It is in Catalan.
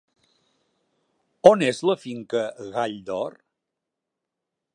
On és la finca "Gall d'Or"?